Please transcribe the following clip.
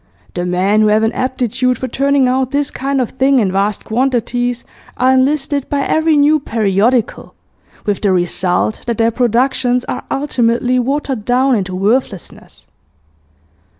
The men who have an aptitude for turning out this kind of thing in vast quantities are enlisted by every new periodical, with the result that their productions are ultimately watered down into worthlessness....